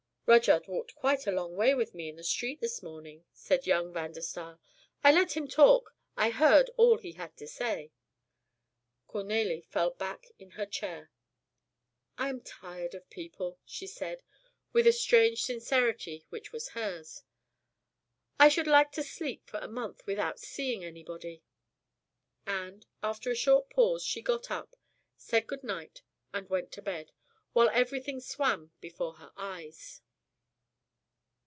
"Rudyard walked quite a long way with me in the street this morning," said young Van der Staal. "I let him talk, I heard all he had to say." Cornélie fell back in her chair: "I am tired of people," she said, with the strange sincerity which was hers. "I should like to sleep for a month, without seeing anybody." And, after a short pause, she got up, said goodnight and went to bed, while everything swam before her eyes.